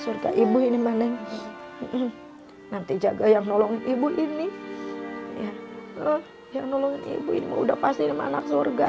surga ibu ini manen nanti jaga yang nolong ibu ini yang nolong ibu ini udah pasti mana surga ya